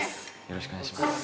よろしくお願いします